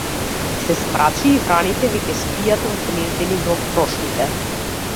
Се смрачи и враните веќе спијат вгнездени во крошните.